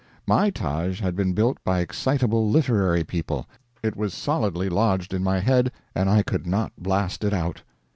My Taj had been built by excitable literary people; it was solidly lodged in my head, and I could not blast it out.